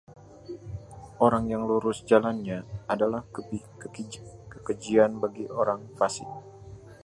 orang yang lurus jalannya adalah kekejian bagi orang fasik.